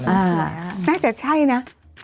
อ่าน่าจะใช่นะ